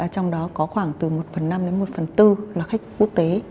trong đó có khoảng từ một phần năm đến một phần tư là khách quốc tế